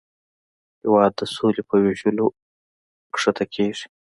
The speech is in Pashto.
هېواد د سولې په ویشلو ښکته کېږي.